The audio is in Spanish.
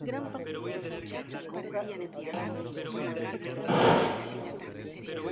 Los hermanos Altman se ven obligados a reunirse tras la muerte de su padre.